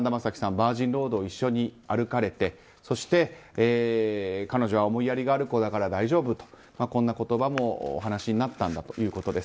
バージンロードを一緒に歩かれてそして、彼女は思いやりがある子だから大丈夫とこんな言葉もお話になったということです。